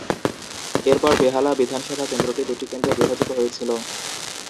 এরপর বেহালা বিধানসভা কেন্দ্রটি দু’টি কেন্দ্রে বিভাজিত হয়েছিল।